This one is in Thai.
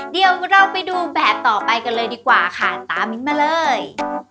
เดี๋ยวเราไปดูแบบต่อไปกันเลยดีกว่าค่ะตามมิ้นมาเลย